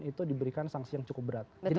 itu diberikan sanksi yang cukup berat jadi